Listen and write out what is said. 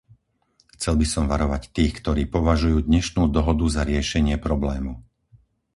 Chcel by som varovať tých, ktorí považujú dnešnú dohodu za riešenie problému.